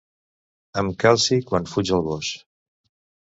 Em calci quan fuig el gos.